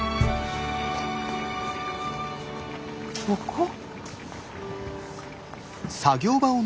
ここ？